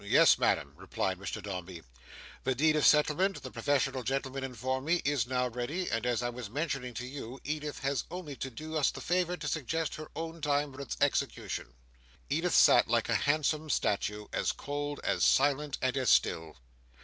"Yes, madam," replied Mr Dombey; "the deed of settlement, the professional gentlemen inform me, is now ready, and as I was mentioning to you, Edith has only to do us the favour to suggest her own time for its execution." Edith sat like a handsome statue; as cold, as silent, and as still.